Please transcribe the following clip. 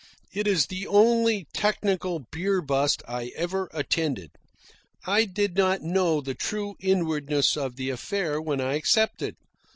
It is the only technical beer bust I ever attended. I did not know the true inwardness of the affair when I accepted.